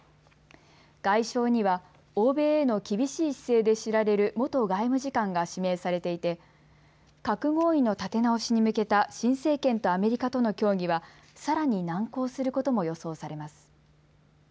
外相には欧米への厳しい姿勢で知られる元外務次官が指名されていて核合意の立て直しに向けた新政権とアメリカとの協議は、さらに難航することも予想されます。